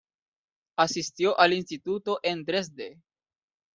Asistió al instituto en Dresde.